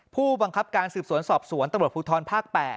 ผู้บังคับการสืบสวนสอบสวนตำรวจภูทรภาค๘